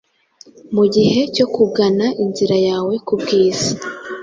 Mugihe cyo kugana inzira yawe kubwiza